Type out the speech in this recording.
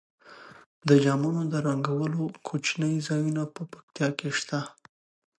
د جامو د رنګولو کوچني ځایونه په پکتیا کې شته.